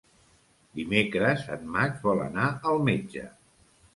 Dimecres en Max vol anar al metge.